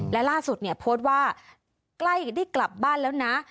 และล่าสุดเนี่ยโพสต์ว่าใกล้ได้กลับบ้านแล้วนะ